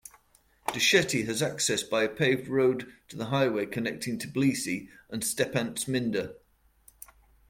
Dusheti has access by a paved road to the highway connecting Tbilisi and Stepantsminda.